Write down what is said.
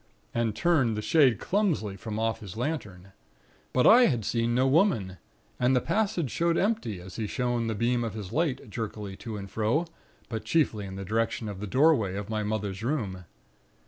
and turned the shade clumsily from off his lantern. But I had seen no Woman; and the passage showed empty, as he shone the beam of his light jerkily to and fro; but chiefly in the direction of the doorway of my mother's room.